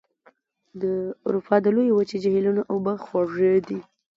د اروپا د لویې وچې جهیلونو اوبه خوږې دي.